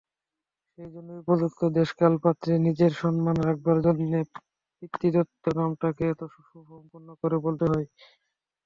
সেইজন্যেই উপযুক্ত দেশকালপাত্রে নিজের সম্মান রাখবার জন্যে পিতৃদত্ত নামটাকে এত সুসম্পূর্ণ করে বলতে হয়।